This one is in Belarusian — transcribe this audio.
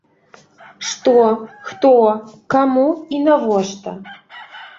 Што, хто, каму і навошта?